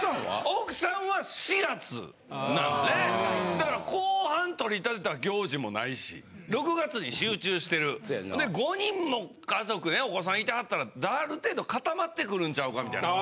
奥さんは４月なんでだから後半取り立てた行事もないし６月に集中してるで５人も家族お子さんいてはったらある程度固まってくるんちゃうかみたいな。